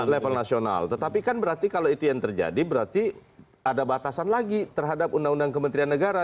level nasional tetapi kan berarti kalau itu yang terjadi berarti ada batasan lagi terhadap undang undang kementerian negara